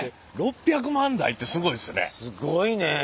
すごいね。